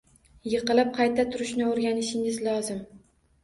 Yiqilib, qayta turishni o’rganishingiz lozim.